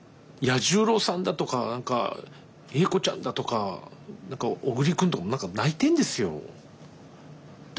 彌十郎さんだとか栄子ちゃんだとか何か小栗君とか泣いてんですよ。